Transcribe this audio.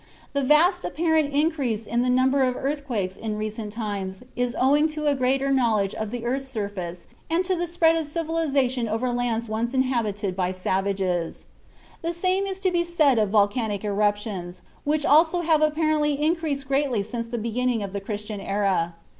The vast apparent increase in the number of earthquakes in recent times is owing to a greater knowledge of the earth's surface and to the spread of civilization over lands once inhabited by savages. The same is to be said of volcanic eruptions, which also have apparently increased greatly since the beginning of the Christian era.